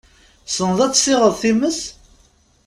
Tessneḍ ad tessiɣeḍ times?